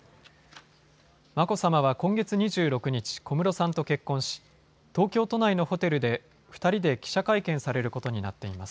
眞子さまは今月２６日、小室さんと結婚し東京都内のホテルで２人で記者会見されることになっています。